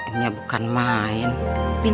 dan saya juga bukan tip orang yang gila